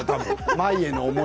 舞への思い。